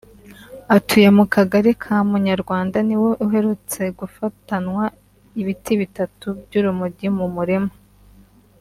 atuye mu kagari ka Munyarwanda niwe uherutse gufatanwa ibiti bitatu by’urumogi mu murima